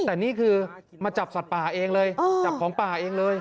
แต่นี่คือมาจับสัตว์ป่าเองเลยจับของป่าเองเลย